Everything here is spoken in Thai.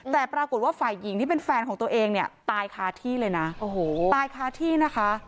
แต่ปรากฏว่าฝ่ายหญิงที่เป็นแฟนของตัวเองเนี่ยตายคาที่เลยนะโอ้โหตายคาที่นะคะ